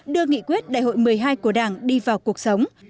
đưa nghị quyết đại hội một mươi hai của đảng đi vào cuộc sống